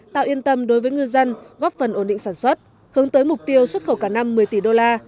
tạo yên tâm đối với ngư dân góp phần ổn định sản xuất hướng tới mục tiêu xuất khẩu cả năm một mươi tỷ đô la